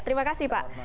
terima kasih pak